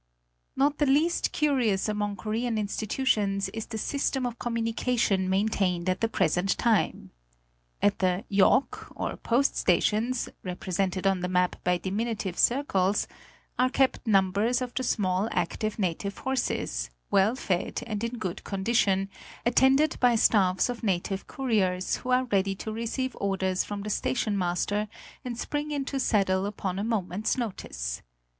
Not the least curious among Korean institutions is the system of communication maintained at the present time. At the yok, or post stations, represented on the map by diminutive circles, are kept numbers of the small active native horses, well fed and in good condition, attended by staffs of native couriers who are ready to receive orders from the station master and spring into saddle upon a moment's notice.